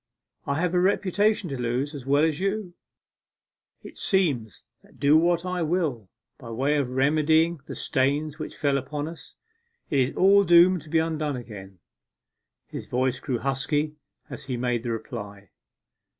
I have a reputation to lose as well as you. It seems that do what I will by way of remedying the stains which fell upon us, it is all doomed to be undone again.' His voice grew husky as he made the reply.